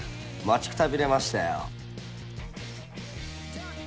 待ちくたびれましたよ。